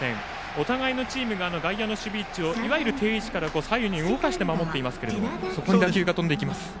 お互いのチームが外野の守備位置をいわゆる定位置から左右に動かして守っていますけれどもそこに打球が飛んでいきます。